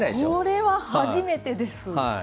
これは初めてです。